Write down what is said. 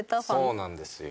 そうなんですよ。